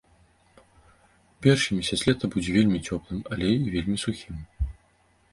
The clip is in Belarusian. Першы месяц лета будзе вельмі цёплым, але і вельмі сухім.